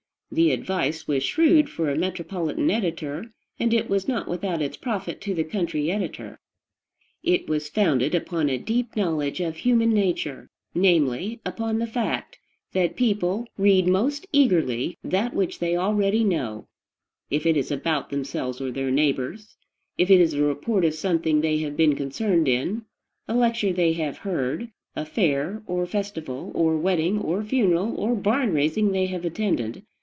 The advice was shrewd for a metropolitan editor, and it was not without its profit to the country editor. It was founded on a deep knowledge of human nature; namely, upon the fact that people read most eagerly that which they already know, if it is about themselves or their neighbors, if it is a report of something they have been concerned in, a lecture they have heard, a fair, or festival, or wedding, or funeral, or barn raising they have attended.